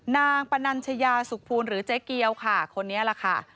นางปนัญชยาสุขภูมิหรือเจ๊เกี๊วค่ะคนนี้ล่ะค่ะ